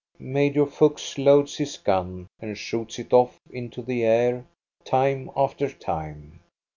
Major Fuchs loads his gun and shoots it off into the air time after time.